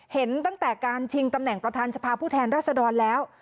เห็นตั้งแต่การชิงตำแหน่งประธานสภาผู้แทนรัศดรแล้ว